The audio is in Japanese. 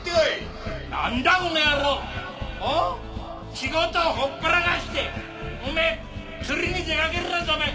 仕事をほっぽらかしておめえ釣りに出かけるなんざおめえ